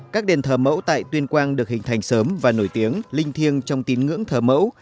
các đền thờ mẫu tại tuyên quang được hình thành sớm và nổi tiếng linh thiêng trong tín ngưỡng thờ mẫu